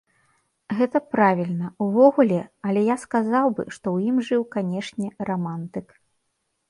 Гэта правільна, увогуле, але я сказаў бы, што ў ім жыў, канешне, рамантык.